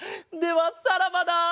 ではさらばだ！